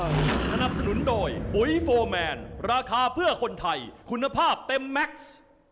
สนับสนุนโดยปุ๋ยโฟร์แมนราคาเพื่อคนไทยคุณภาพเต็มแม็กซ์